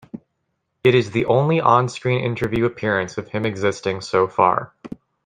It is the only on-screen interview appearance of him existing so far.